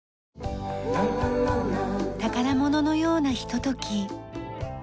宝物のようなひととき。